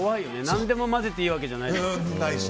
何でも混ぜていいわけじゃないから。